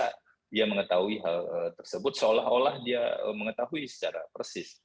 karena dia mengetahui hal tersebut seolah olah dia mengetahui secara persis